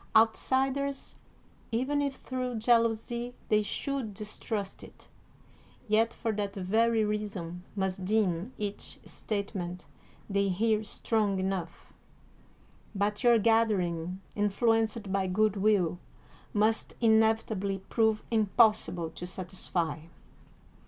Outsiders, even if through jealousy they should distrust it, yet for that very reason must deem each statement they hear strong enough; but your gathering, influenced by good will, must inevitably prove impossible to satisfy.